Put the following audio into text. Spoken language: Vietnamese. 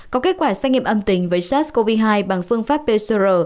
có kết quả xét nghiệm âm tính với sars cov hai bằng phương pháp pcr